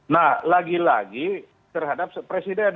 nah lagi lagi terhadap presiden